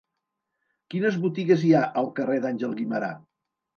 Quines botigues hi ha al carrer d'Àngel Guimerà?